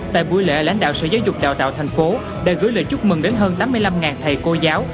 tại buổi lễ lãnh đạo sở giáo dục đào tạo thành phố đã gửi lời chúc mừng đến hơn tám mươi năm thầy cô giáo